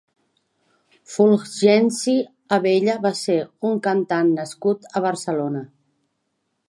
Fulgenci Abella va ser un cantant nascut a Barcelona.